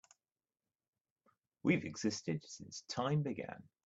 We've existed since time began.